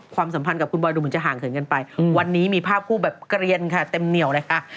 สัมพันธ์กับคุณบอยดูเหมือนจะห่างเขินกันไปวันนี้มีภาพคู่แบบเกลียนค่ะเต็มเหนียวเลยค่ะ